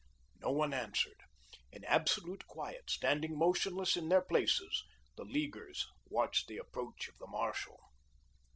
No one answered. In absolute quiet, standing motionless in their places, the Leaguers watched the approach of the marshal.